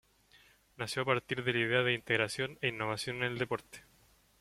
Nació a partir de la idea de integración e innovación en el deporte.